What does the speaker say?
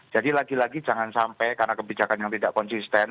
jadi lagi lagi jangan sampai karena kebijakan yang tidak konsisten